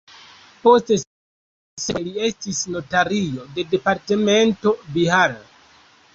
Post siaj studoj li estis notario de departemento Bihar.